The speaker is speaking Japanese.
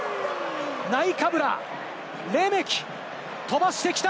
ナイカブラ、レメキ、かわしてきた。